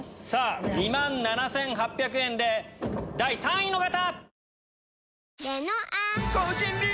２万７８００円で第３位の方！